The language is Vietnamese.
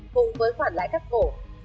cùng với khoản lãi các vổ